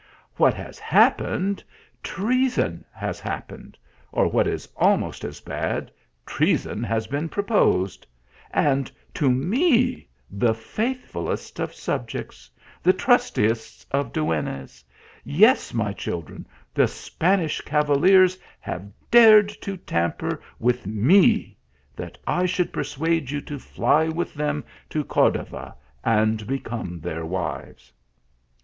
"What has happened ? treason has happened! or what is almost as bn.d, treason has been proposed > and to me the faithfulest of subjects the trustiest/ of duennas yes, my children the Spanish cavalier; have dared to tamper with me ; that I should per i THREE BEAUTIFUL PRINCESSES. 149 suade you to fly with them to Cordova, and become their wives."